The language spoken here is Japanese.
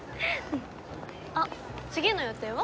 あっ次の予定は？